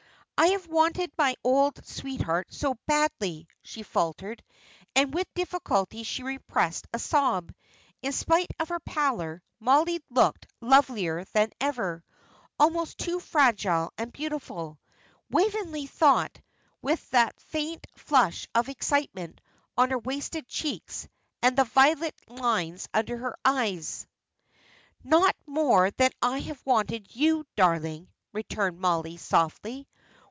"I have wanted my old sweetheart so badly," she faltered, and with difficulty she repressed a sob; in spite of her pallor, Mollie looked lovelier than ever almost too fragile and beautiful, Waveney thought, with that faint flush of excitement on her wasted cheeks, and the violet lines under the large eyes. "Not more than I have wanted you, darling," returned Mollie, softly.